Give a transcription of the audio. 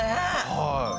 はい。